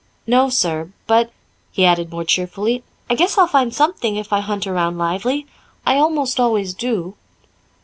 "No, sir; but," he added more cheerfully, "I guess I'll find something if I hunt around lively. I almost always do."